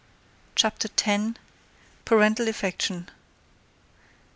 CHAPTER 10. PARENTAL AFFECTION.